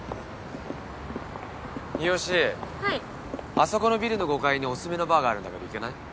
あそこのビルの５階におすすめのバーがあるんだけど行かない？